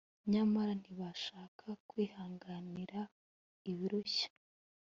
nyamara ntibashaka kwihanganira ibirushya